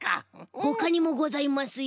ほかにもございますよ。